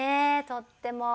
とっても。